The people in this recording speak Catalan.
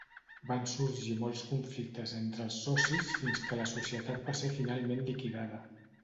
Van sorgir molts conflictes entre els socis fins que la societat va ser finalment liquidada.